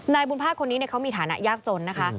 นายบุญภาคคนนี้เขามีฐานะยากจนนะคะ